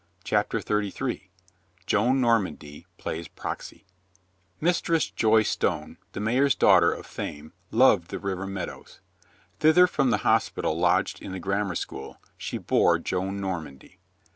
CHAPTER THIRTY THREE JOAN NORMANDY PLAYS PROXY MISTRESS Joy Stone, the mayor's daughter of Thame, loved the river meadows. Thither from the hospital lodged in the grammar school, she bore Joan Normandy.